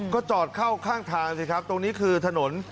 ก็จอดเข้าข้างทางสิครับตรงนี้คือถนน